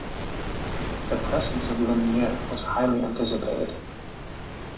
The presence of Lemieux was highly anticipated.